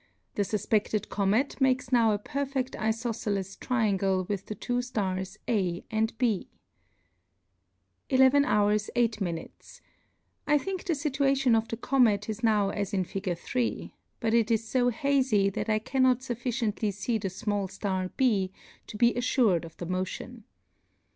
the fufpeded comet makes now a perfedl ifofceles trianp; le with the two flars a and b^ 3 1 h. 8^, I think the fituation of the comet is now as in fig. 3. ; but it is fo hazy that I cannot fufKciently fee the fmall flar b to be alTured of the motion.